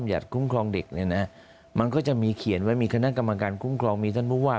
ยัดคุ้มครองเด็กเนี่ยนะมันก็จะมีเขียนไว้มีคณะกรรมการคุ้มครองมีท่านผู้ว่า